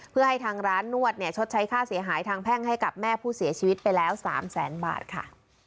เพื่อให้ทางร้านนวดเนี่ยชดใช้ค่าเสียหายทางแพ่งให้กับแม่ผู้เสียชีวิตไปแล้ว๓แสนบาทค่ะ